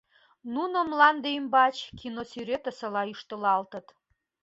Нуно мланде ӱмбач киносӱретысыла ӱштылалтыт.